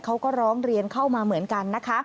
เขาก็ร้องเรียนเข้ามาเหมือนกันนะคะ